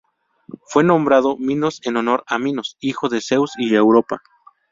Fue nombrado Minos en honor a Minos, hijo de Zeus y Europa.